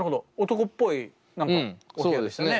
男っぽい何かお部屋ですね。